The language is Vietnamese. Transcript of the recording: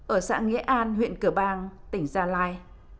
ở xã nghĩa an huyện cửa bang tỉnh gia lai